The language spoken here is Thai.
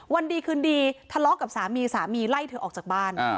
วันดีคืนดีทะเลาะกับสามีสามีไล่เธอออกจากบ้าน